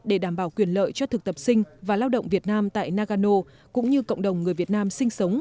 để đảm bảo quyền lợi cho thực tập sinh và lao động việt nam tại nagano cũng như cộng đồng người việt nam sinh sống